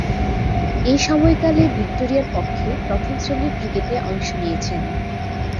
এ সময়কালে ভিক্টোরিয়ার পক্ষে প্রথম-শ্রেণীর ক্রিকেটে অংশ নিয়েছেন।